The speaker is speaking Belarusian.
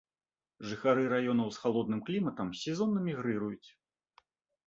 Жыхары раёнаў з халодным кліматам сезонна мігрыруюць.